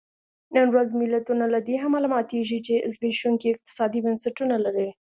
نن ورځ ملتونه له دې امله ماتېږي چې زبېښونکي اقتصادي بنسټونه لري.